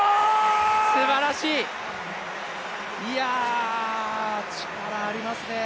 すばらしい、いや力ありますね。